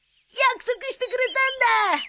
約束してくれたんだ！